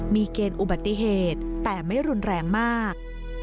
มีเกณฑ์อุบัติเหตุแต่ไม่รุนแรงมาก